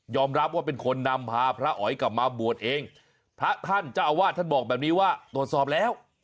รับว่าเป็นคนนำพาพระอ๋อยกลับมาบวชเองพระท่านเจ้าอาวาสท่านบอกแบบนี้ว่าตรวจสอบแล้ว